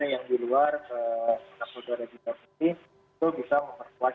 ya tentu ini suatu yang positif juga mas